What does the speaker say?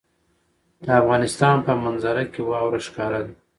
د افغانستان په منظره کې واوره ښکاره ده.